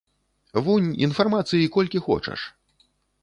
Вунь, інфармацыі колькі хочаш.